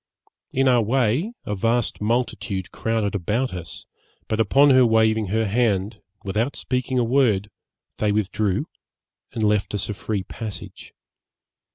In our way, a vast multitude crowded about us, but upon her waving her hand, without speaking a word, they withdrew, and left us a free passage.